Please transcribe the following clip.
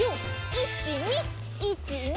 １２１２！